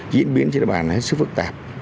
diễn biến trên địa bàn hết sức phức tạp